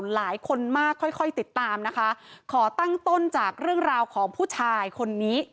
หลายคนมากค่อยค่อยติดตามนะคะขอตั้งต้นจากเรื่องราวของผู้ชายคนนี้